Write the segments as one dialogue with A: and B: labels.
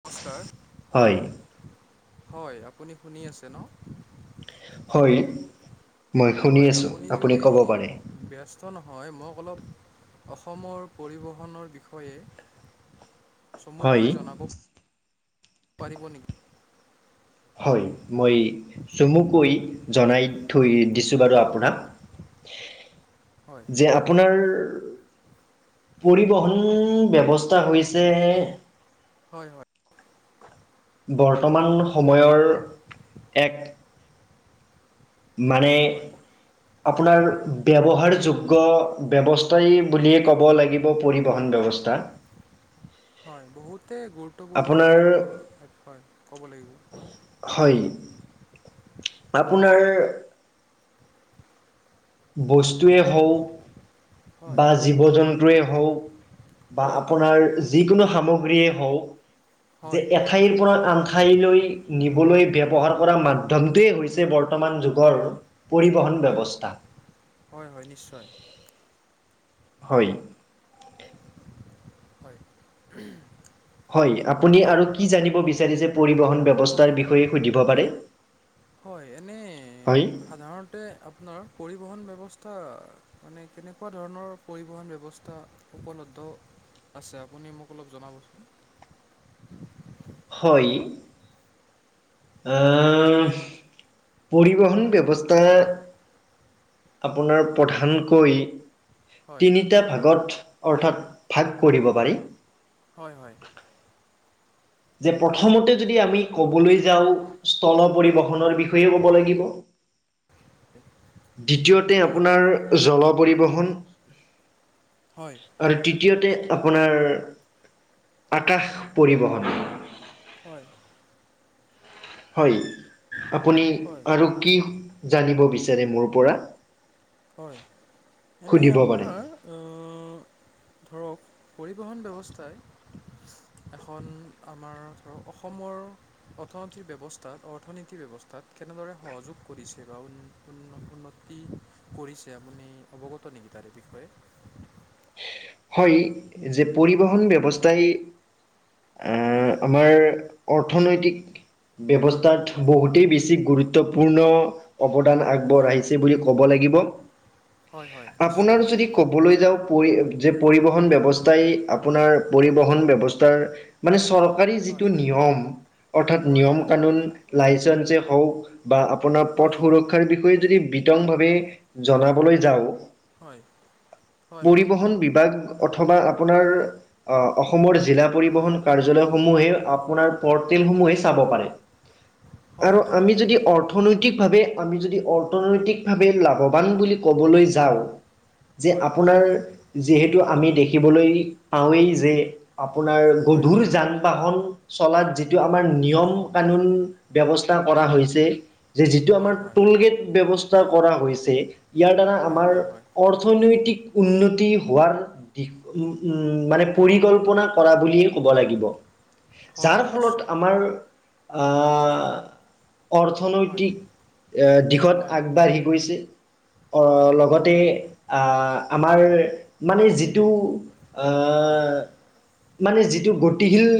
A: নমস্কাৰ
B: হয়,
A: হয় আপুনি শুনি আছে ন?
B: হয়। মই শুনি
A: হয়
B: আছোঁ,
A: আপুনি যদি
B: ক'ব পাৰে।
A: ব্যস্ত নহয় মোক অলপ অসমৰ পৰিবহণৰ বিষয়ে
B: হয়,
A: চমুকৈ জনাব পাৰিব নেকি?
B: হয় মই চমুকৈ জনাই থৈ দিছোঁ বাৰু
A: হয়
B: আপোনাক।
A: [unintelligible]
B: যে আপোনাৰ পৰিবহন ব্যৱস্থা হৈছে
A: হয় হয়।
B: বৰ্তমান সময়ৰ এক মানে
A: হয়
B: আপোনাৰ ব্যৱহাৰযোগ্য ব্যৱস্থাই বুলিয়ে ক'ব লাগিব পৰিবহন ব্যৱস্থা।
A: হয় বহুতেই গুৰুত্বপূৰ্ণ
B: আপোনাৰ
A: বুলিয়েবোৰ হয় ক'ব লাগিব।
B: হয় আপোনাৰ বস্তুৱে
A: হয়
B: হঁওক
A: হয়
B: বা জীৱ জন্তুৱে হঁওক বা
A: হয় হয়
B: আপোনাৰ যিকোনো সামগ্ৰীয়ে হওক যে
A: হয়
B: এঠাইৰ পৰা আন ঠাইলৈ নিবলৈ ব্যৱহাৰ
A: হয়
B: কৰা মাধ্যমটোৱেই হৈছে বৰ্তমান যুগৰ পৰিবহণ
A: হয়
B: ব্যৱস্থা।
A: হয়, হয় নিশ্চয়।
B: হয়।
A: উম।
B: হয় আপুনি আৰু কি জানিব বিচাৰিছে পৰিবহণ
A: হয়
B: ব্যৱস্থাৰ বিষয়ে সুধিব পাৰে।
A: হয় এনে
B: হয়
A: সাধাৰণতে আপোনাৰ পৰিবহন ব্যৱস্থা স্থা মানে কেনেকুৱা ধৰণৰ পৰিবহণ ব্যৱস্থা উপলব্ধ আছে আপুনি মোক অলপ জনাবচোন।
B: হয়। আহ পৰিবহন
A: হয়
B: ব্যৱস্থা আপোনাৰ প্ৰধানকৈ
A: হয়
B: তিনিটা ভাগত অৰ্থাৎ ভাগ কৰিব পাৰি।
A: হয়, হয়।
B: যে প্ৰথমতে যদি আমি কবলৈ যাওঁ স্থল পৰিবহনৰ বিষয়ে ক'ব লাগিব।
A: [unintelligible]
B: দ্বিতীয়তে
A: হয়
B: আপোনাৰ জল পৰিবহণ
A: হয়
B: আৰু তৃতীয়তে আপোনাৰ আকাশ পৰিবহণ।
A: হয়
B: হয় আপুনি
A: হয়
B: আৰু কি জানিব বিচাৰে মোৰ পৰা।
A: হয় এনেই
B: সুধিব পাৰে
A: আপোনাৰ ধৰক পৰিবহণ ব্যৱস্থাই এখন আমাৰ ধৰক অসমৰ অৰ্থনীতিৰ ব্যৱস্থাত অৰ্থনীতি ব্যৱস্থা তাত কেনেদৰে সহযোগ কৰিছে বাৰু উন্নতি কৰিছে আপুনি অৱগত নেকি তাৰে বিষয়ে।
B: হয় যে পৰিবহন ব্যৱস্থাই আ
A: হয়
B: আমাৰ অৰ্থনৈতিক ব্যৱস্থাত বহুতেই বেছি গুৰুত্বপূৰ্ণ অৱদান আগ
A: হয়
B: বহাইছে বুলি কব লাগিব
A: হয় হয় নিশ্চয়
B: আপোনাৰ যদি কবলৈ যাওঁ যে পৰিবহন ব্যৱস্থাই আপোনাৰ পৰিবহণ ব্যৱস্থাৰ মানে চৰ চৰকাৰী
A: হয়
B: যিটো নিয়ম অৰ্থাৎ
A: হয়
B: নিয়ম
A: হয়
B: কানুন লাইচেঞ্চে হওক বা আপোনাৰ
A: হয়
B: পথ
A: হয়
B: সুৰক্ষাৰ বিষয়ে যদি বিতং ভাৱে জনাবলৈ যাওঁ।
A: হয়, হয়, হয়।
B: পৰিবহণ বিভাগ অথবা আপোনাৰ অহ, অসমৰ জিলা
A: হয় হয় হয়
B: পৰিবহণ কাৰ্যালয়সমূহে আপ আপোনাতে প'ৰ্টেলসমূহহে চাব পাৰে।
A: হয়
B: আৰু আমি যদি অৰ্থনৈতিক ভাৱে আমি যদি অৰ্থনৈতিক ভাৱে লাভৱান বুলি ক'বলৈ যাওঁ। যে
A: হয় হয়
B: আপোনাৰ যিহেতু আমি দেখিবলৈ পাওঁৱেই যে। আপোনাৰ
A: হয়
B: গধুৰ যান-বাহন চলাত যিটো আমাৰ নিয়ম কানুন ব্যৱস্থা কৰা হৈছে। যে যিটো আমাৰ
A: হয় হয়
B: টুলগেট ব্যৱস্থা কৰা হৈছে। ইয়াৰ দ্বাৰা
A: হয়
B: আমাৰ
A: হয় হয়
B: অৰ্থনৈতিক উন্নতি হোৱাৰ দিশ উ উম, মানে
A: হয়
B: পৰিকল্পনা কৰা বুলিয়ে ক'ব লাগিব।
A: হয়
B: যাৰ
A: হয় নিশ্চয়
B: ফলত আমাৰ অহ
A: হয়
B: অৰ্থনৈতিক এ দিশত
A: হয়
B: আগবাঢ়ি গৈছে।
A: হয়
B: অহ,
A: হয়
B: লগতে আহ আমাৰ মানে যিটো
A: হয়
B: অহ, মানে যিটো গতিশীল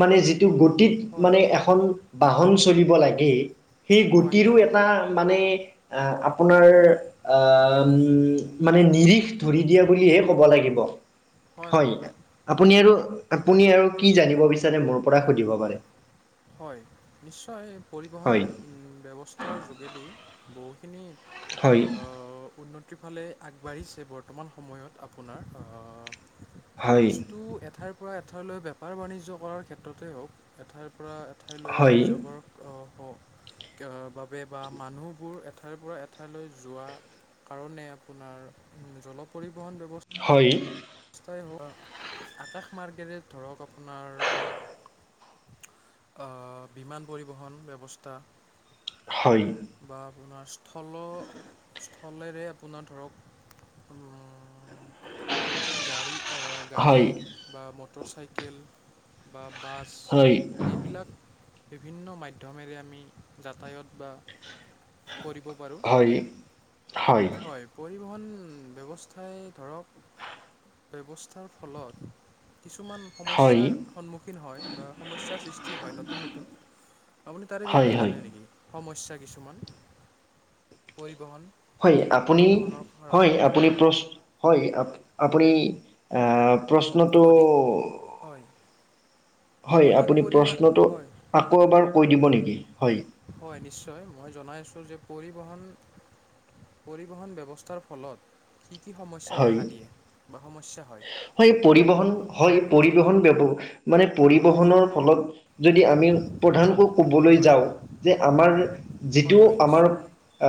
B: মানে যি যিটো গতিত
A: হয়
B: মানে এখন বাহন চলিব লাগে। সেই
A: হয়
B: গতিৰো
A: হয়
B: এটা মানে অ, আপোনাৰ অ, মানে নিৰিখ ধৰি দিয়া বুলি ক'ব লাগিব হয়, আপুনি আৰু আপুনি আৰু কি জানিব বিচাৰে মোৰ পৰা সুধিব পাৰে।
A: হয়, নিশ্চয় পৰিবহণ
B: হয়
A: ব্যৱস্থাৰ যোগেদি বহুখিনি
B: হয়
A: অহ, উন্নতিৰ ফালে আগবাঢ়িছে বৰ্তমান সময়ত আপোনাৰ অহ
B: হয়
A: বস্তু এঠাইৰ পৰা এঠাইলৈ বেপাৰ বাণিজ্য কৰাৰ ক্ষেত্ৰতে হওঁক এঠাইৰ পৰা এঠাইলৈ লৈ যাব অহ অহ, বাবে বা মানুহবোৰ এঠাইৰ পৰা এঠাইলৈ যোৱা কাৰণে আপোনাৰ জল পৰিবহণ ব্যৱস্থা
B: হয়।
A: ব্যৱস্থাই হোৱা, আকাশমাৰ্গেৰে ধৰক আপোনাৰ অহ, বিমান পৰিবহণ ব্যৱস্থা।
B: হয়।
A: আপোনা স্থল স্থলেৰে আপোনাৰ ধৰক উম গাড়ী গাড়ী
B: হয় হয়
A: বা মটৰ চাইকেল বা বাছ
B: হয়
A: এইবিলাক বিভিন্ন মাধ্যমেৰে আমি যাতায়ত বা পৰিব পাৰোঁ।
B: হয়
A: হয় পৰিবহণ ব্যৱস্থাই ধৰক ব্যৱস্থাৰ ফলত কিছুমান
B: হয়
A: সমস্যাৰ সন্মুখীন হয় বা সমস্যাৰ সৃষ্টি হয় নতুন নতুন। আপুনি তাৰে
B: হয়
A: বিষয়ে
B: হয়
A: জানে নেকি? সমস্যা কিছুমান পৰিবহন।
B: হয় আপুনি, হয় আপুনি প্ৰ, হয় আ-আপুনি অহ প্ৰশ্নটো
A: অধিক হয়
B: হয়
A: অধিক
B: আপুনি
A: পৰিমা
B: প্ৰশ্নটো,
A: হয়
B: আকৌ এবাৰ কৈ দিব নেকি। হয়
A: হয় নিশ্চয় মই জনাই আছোঁ যে পৰিবহণ, পৰিবহণ ব্যৱস্থাৰ ফলত কি কি সমস্যা
B: হয়
A: দেখা দিয়ে বা সমস্যা হয়।
B: পৰিবহন হয় পৰিবহন ব্যৱ, মানে পৰিবহনৰ ফলত যদি আমি প্ৰধানকৈ
A: হয়
B: ক'বলৈ
A: হয়
B: যাওঁ যে আমাৰ
A: হয়
B: যিটো
A: হয়
B: আমাৰ
A: নিশ্চয়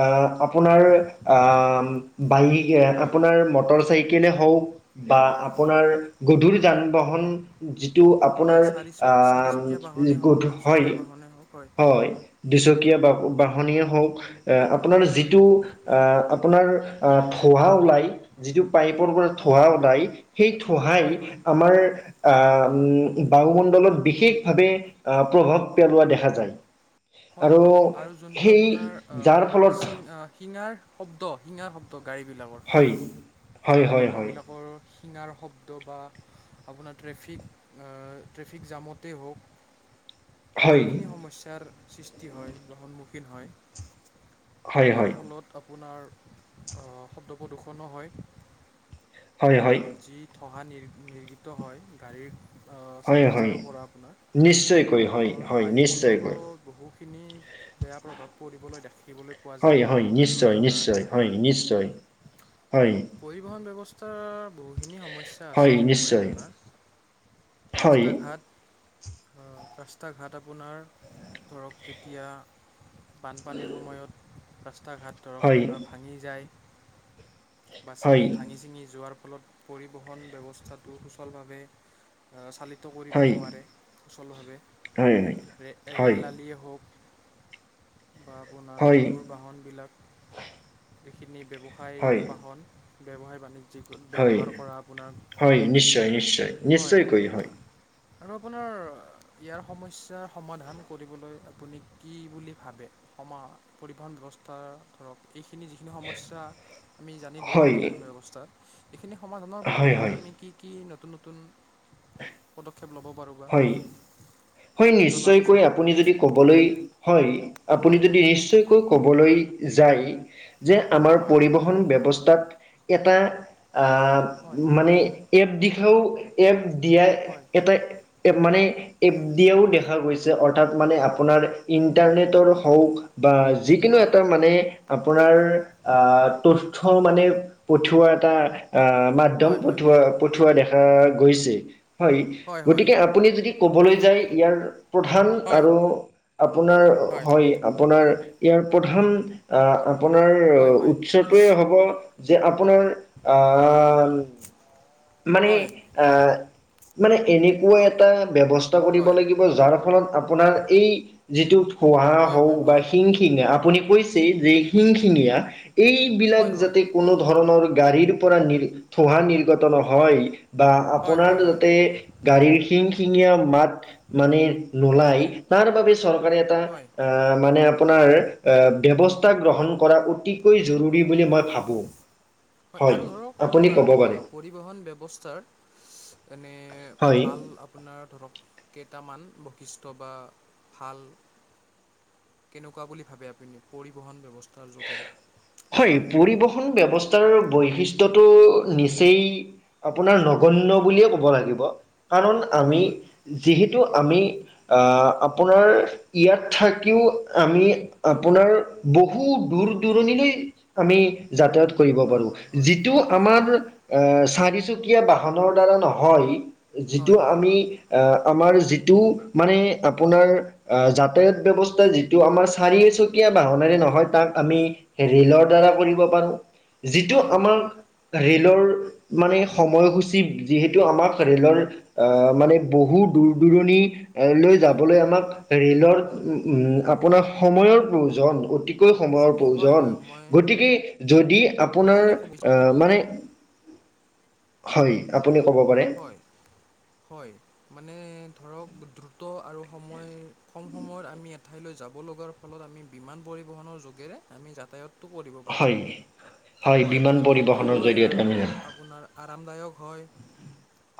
B: অহ, আপোনাৰ অহ, বায়
A: হয়
B: আপোনাৰ মটৰ চাইকলে হওঁক বা আপোনাৰ গধুৰ যান-বাহন প্ৰশ্নটো
A: হয়
B: আপোনাৰ
A: চাৰিচ চাৰিচকীয়া বাহনেই হওক
B: গধুৰ, হয়।
A: দুচকীয়া বাহনেই হওক
B: হয়, দুচকীয়া বাহন। বাহনিয় হওক এ আপোনাৰ
A: হয়
B: যিটো অ' আপোনাৰ ধুৱা ওলাই। যিটো পাইপৰ পৰা
A: হয়
B: ঠোহা
A: হয়
B: ঠোহা
A: হয়
B: সেই ঠোহাই
A: হয় হয়
B: আমাৰ আহ উ বায়ুমণ্ডলত বিশেষভাৱে আহ প্ৰভাৱ পেলোৱা দেখা যায়।
A: হয়
B: আৰু
A: হয় আৰু যোনটো
B: সেই
A: আপোনাৰ
B: যাৰ ফলত
A: শিঙাৰ শব্দ শিঙাৰ শব্দ গাড়ীবিলাকৰ
B: হয় হয়
A: যান
B: হয় হয়
A: বাহনবিলাকৰ শিঙাৰ শব্দ বা আপোনাৰ ট্ৰেফিক ট্ৰেফিক জামতেই হওক
B: হয়
A: বহুখিনি সমস্যাৰ সৃষ্টি হয় বা সন্মুখীন হয়
B: হয়
A: ইয়াৰ
B: হয়
A: ফলত আপোনাৰ শব্দ প্ৰদূ্ষণো হয়।
B: হয়
A: আৰু
B: হয়
A: যি ধুৱ নিৰ্গিত হয় গাড়ীৰ
B: হয় হয়
A: চেলেঞ্জাৰো পৰা আপোনাৰ
B: নিশ্চয়কৈ হয়
A: ফলত
B: হয় নিশ্চয়কৈ
A: বায়ুমণ্ডলত বহুখিনি বেয়া প্ৰভাৱ পৰিবলৈ দেখে
B: নিশ্চয় নিশ্চয় নিশ্চয়।
A: ত বহুখিনি সমস্যা আছে
B: হয়
A: তেনেকৈ
B: নিশ্চয়
A: আপোনাৰ
B: হয়
A: ৰাস্তা ঘাট ৰাস্তা ঘাট আপোনাৰ ধৰক তেতিয়া বানপানীৰ সময়ত ৰাস্তা ঘাট ধৰক
B: হয়
A: আপোনাৰ ভাঙি যায় বাছিঙি
B: হয়
A: ভাঙি ছিঙি যোৱাৰ ফলত পৰিবহণ ব্যৱস্থাটো সুচলভাৱে চালি কৰিব
B: হয়
A: নোৱাৰে সুচলভাৱে
B: হয় হয়
A: ৰেল আল আপোনাৰ
B: হয়
A: গধুৰ বাহনবিলাক ব্যৱসায়
B: হয়
A: বাহন ব্যৱসায় বাণিজ্য
B: হয় হয় নিশ্চয় নিশ্চয়
A: হয়
B: নিশ্চয়কৈ হয়।
A: আৰু আপোনাৰ ইয়াৰ সমস্যায় সমাধান ক কৰিব আপুনি কি বুলি ভাবে সম পৰিবহণ ব্যৱস্থা ধৰক এইখিনি যিখিনি সমস্যা আমি জানিলোঁ
B: হয়
A: পৰিবহণ ব্যৱস্থাত এইখিনি সমাধানৰ বাবে
B: হয়
A: ধৰক
B: হয়
A: আমি কি কি নতুন নতুন পদক্ষেপ ল'ব পাৰোঁ বা
B: হয় হয় নিশ্চয়কৈ
A: জনাবচোন
B: আপুনি যদি ক'বলৈ হয়। আপুনি
A: হয়
B: যদি নিশ্চয়কৈ কবলৈ যায়। যে
A: হয়
B: আমাৰ
A: হয়
B: পৰিবহন ব্যৱস্থাক এটা আহ
A: হয়
B: মানে এপ দিশাও এপ দিয়া
A: হয়
B: এটা এ মানে এপ দিয়েও দেখা গৈছে অৰ্থাৎ মানে আপোনাৰ ইন
A: হয় হয়
B: [unintelligible]
A: হয় হয়
B: মানে পঠওৱা এটা অ', মাধ্যম
A: হয়
B: পাঠেৱা পঠা দেখা আহ গৈছে হয় গতিকে আপুনি যদি ক'বলৈ যায় ইয়াৰ প্ৰধান
A: হয় হয়
B: আৰু আপোনাৰ হয় আপোনাৰ ইয়াৰ প্ৰধান আহ আপোনাৰ
A: হয়
B: উৎসটোৱে হ'ব যে আপোনাৰ আহ মানে
A: হয়
B: আহ মানে এনেকুৱা এটা বৱস্থা কৰিব লাগিব যাৰ ফলত আপোনাৰ এই যিটো খহা
A: হয় হয়
B: হওক
A: হয়
B: বা
A: হয়
B: শিংশিঙা আপুনি কৈছে যে শিংশিঙীয়া এইবিলাক
A: হয় হয়
B: যাতে কোনো ধৰণৰ গাড়ীৰ পৰা নি থোঁহা নিৰ্গত নহয়। বা
A: হয়
B: আপোনাৰ
A: হয়
B: যাতে গাড়ীৰ খিন ঙ মাত মানে নলাই তাৰ বাবে চৰকাৰে এটা
A: হয়
B: মানে আপোনাৰ ব্যৱস্থা গ্ৰহণ কৰা অতিকৈ জৰুৰী বুলি মই ভাবো।
A: হয় আৰু ধৰক আপোনাৰ পৰিবহণ ব্যৱস্থাৰ এনে
B: হয়।
A: ভাল আপোনাৰ ধৰক কেইটামান বৈশিষ্ট্য বা ভাল কেনেকুৱা বুলি ভাবে আপুনি পৰিবহন ব্যৱস্থাৰ যোগেৰে।
B: হয়
A: লাভান্বিত
B: পৰিবহন ব্যৱস্থাৰ ব বৈশিষ্টয়টো নিচেই আপোনাৰ নগনয় বুলিয়ে ক'ব লাগিব। কাৰণ
A: হয়
B: আমি
A: হয়
B: যিহেতু আমি আপোনাৰ ইয়াত থাকিও আমি আপোনাৰ বহু দূৰ
A: হয়
B: দূৰণিলৈ আমি যাতায়াত কৰিব
A: হয়
B: পাৰো।
A: হয় হয়
B: যিটো
A: হয়
B: আমাৰ আ, চাৰি তিনিচকীয়া বাহনৰ দ্বাৰা নহয়।
A: হয়
B: যিটো
A: হয়
B: আমি আহ, আমাৰ যিটো মানে আপোনাৰ যাতায়াত ব্যৱস্থা, যিটো আমাৰ চাৰিচকীয়া বাহনেৰে নহয় তাক আমি ৰে'লৰ
A: হয়
B: দ্বাৰা কৰিব পাৰো। যিটো
A: হয়
B: আমাক ৰে'লৰ মানে সময়সূচী যিহেতু আমাক ৰেলৰ আহ মানে বহুত দূৰ-দূৰণিত লৈ
A: হয় হয়
B: যাবলৈ
A: হয়
B: আমাক ৰে'লৰ আপোনাৰ সময়ৰ প্ৰয়োজন। অতি সময়ৰ
A: যদি হয়
B: প্ৰয়োজন
A: হয় মই
B: গতিকে, যদি আপোনাৰ
A: এইখিনিয়ে ক'ব বিচাৰোঁ।
B: আহ্
A: হয়
B: মানে হয়। আ
A: হয়। হয়। মানে ধৰক দ্ৰুত আৰু সময় কম সময়ত আমি এঠাইলৈ যাব লগাৰ ফলত আমি বিমানব পৰিবহণৰ যোগেৰে আমি যাতায়াতটো কৰিব পাৰোঁ।
B: হয়
A: হয়।
B: বিমান
A: মানে দ্ৰুত
B: পৰিবহণৰ
A: হয়,
B: জৰিয়তে
A: আৰু
B: আমি জানো
A: আপোনাৰ আৰামদায়ক হয়।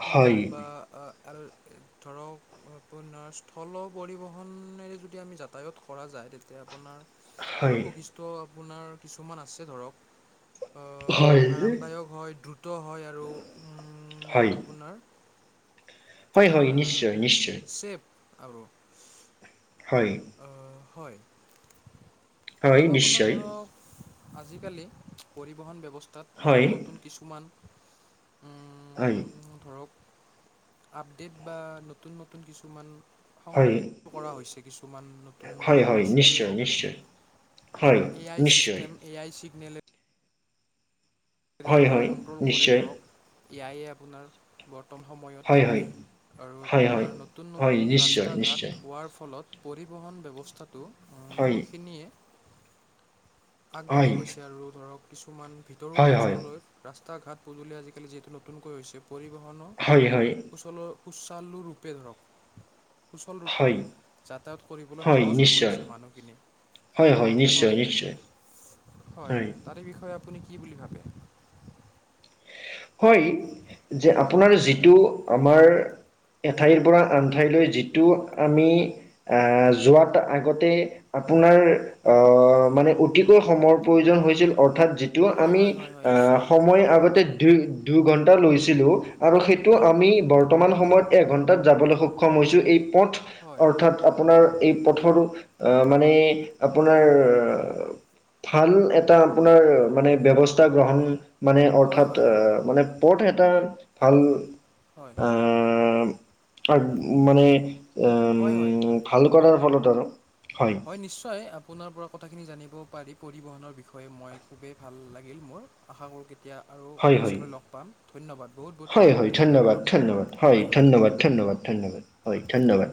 A: সুলভ
B: হয়
A: বা আহ আৰু ধৰক, আপোনাৰ স্থল পৰিবহণেৰে যদি আমি যাতায়ত কৰা যায় তেতিয়া আপোনাৰ। তাৰো
B: হয়
A: বৈশিষ্ট আপোনাৰ কিছুমান আছে ধৰক। আহ
B: হয়
A: আৰামদায়ক হয়, দ্ৰুত হয় আৰু উম,
B: হয়
A: [unintelligible]
B: হয়, হয়। নিশ্চয়, নিশ্চয়।
A: ছেফ আৰু
B: হয়।
A: আ, হয়।
B: হয়
A: আৰু আপোনাৰ
B: নিশ্চয়
A: ধৰক আজিকালি পৰিবহন ব্যৱস্থাত
B: হয়
A: নতুন নতুন কিছুমান উম
B: হয়।
A: ধৰক আপডেট বা নতুন, নতুন কিছুমান
B: হয়
A: সংযোগ কৰা হৈছে। বৰ্তমান নতুন
B: হয়
A: নতুন
B: হয়
A: বস্তুৱেই
B: নিশ্চয়
A: হওঁক।
B: নিশ্চয়
A: অ,
B: হয়
A: এ আই
B: নিশ্চয়
A: চিষ্টেম, এ আই চিগ্নেল।
B: হয়
A: আপোনাৰ
B: হয়
A: কন্ট্ৰল কৰে
B: নিশ্চয়
A: ধৰক, এ আই আপোনাক ন,
B: হয় হয়
A: সময়ত আৰু
B: হয় হয়
A: আপোনাৰ নতুন
B: হয়
A: নতুন
B: নিশ্চয়
A: ৰাস্তা
B: নিশ্চয়
A: ঘাট হোৱাৰ ফলত পৰিবহণ ব্যৱস্থাটো উম,
B: হয়
A: বহুখিনিয়ে আগবাঢ়ি
B: হয়
A: গৈছে আৰু ধৰক, কিছুমান ভিতৰুৱা
B: হয় হয়
A: অঞ্চললৈ ৰাস্তা। তা ঘাট পদূলি আজিকালি যিহেতু নতুনকৈ হৈছে। পৰিবহণৰ
B: হয় হয়
A: সুচলৰ। সুচালু ৰূপে ধৰক। সুচলৰূপে
B: হয়
A: যাতায়াত কৰিবলৈ
B: হয়
A: সহজ হৈ
B: নিশ্চয়
A: পৰিছে মানুহখিনি।
B: হয়, হয়। নিশ্চয়, নিশ্চয়।
A: হয়। তাৰে বিষয়ে আপুনি কি বুলি ভাবে?
B: হয় যে, আপোনাৰ যিটো আমাৰ। এঠাইৰ পৰা আনঠাইলৈ যিটো আমি আ যোৱাত আগতে ই। আপোনাৰ অ, মানে অতিকৈ সময়ৰ প্ৰয়োজন হৈছিল অৰ্থাৎ,। যিটো
A: হয়
B: আমি
A: হয় হয় হয়
B: অ,
A: নিশ্চয়
B: সময় আগতে যি দুই-দুই ঘণ্টা লৈছিলো আৰু সেইটো
A: হয়
B: আমি বৰ্তমান সময়ত এঘন্টাত যাবলৈ সক্ষম ক্ষম হৈছোঁ। এই পথ।
A: হয়
B: অৰ্থাৎ, আপোনাৰ এই পথৰো আহ মানে
A: হয়
B: আপোনাৰ।
A: হয়
B: ভাল এটা আপোনাৰ মানে ব্যৱস্থা গ্ৰহণ মানে
A: হয় হয়
B: অৰ্থাৎ,
A: হয়
B: আহ মানে। ওপৰতে এটা ভাল
A: হয়।
B: পাৰ্ত মানে, উম,
A: হয় হয়
B: ভাল কৰাৰ ফলত আৰু।
A: হয়, নিশ্চয়। আপোনাৰ পৰা কথাখিনি জানিব পাৰি, পৰিবহণৰ বিষয়ে মই খুবেই ভাল লাগিল মোৰ আশা কৰোঁ কেতিয়াবা এতিয়া আৰু
B: হয় হয়
A: পিছলৈ লগ পাম ধন্যবাদ বহুত বহুত
B: হয় হয়
A: ধন্যবাদ থাকিল আপোনাক হয় হয়।
B: ধ্যবাদ ধন্যবাদ হয় ধন্যবাদ।